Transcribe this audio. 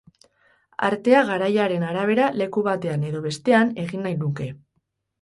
Artea garaiaren arabera leku batean edo bestean egin nahi nuke.